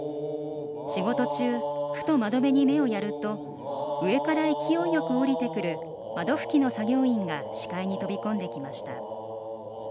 仕事中、ふと窓辺に目をやると上から勢いよく降りてくる窓拭きの作業員が視界に飛び込んできました。